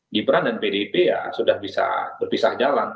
gibran dan pdip ya sudah bisa berpisah jalan